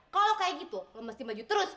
kalau kayak gitu lo mesti maju terus